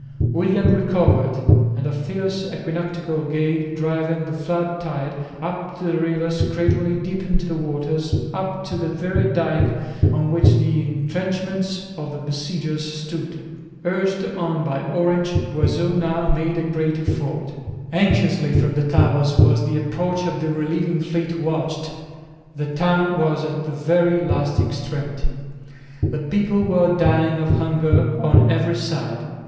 William recovered, and a fierce equinoctial gale driving the flood tide up the rivers gradually deepened the waters up to the very dyke on which the entrenchments of the besiegers stood. Urged on by Orange, Boisot now made a great effort. Anxiously from the towers was the approach of the relieving fleet watched. The town was at the very last extremity. The people were dying of hunger on every side.